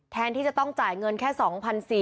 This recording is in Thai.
ที่จะต้องจ่ายเงินแค่๒๔๐๐